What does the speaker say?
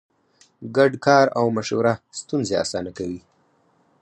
ګډ کار او مشوره ستونزې اسانه کوي.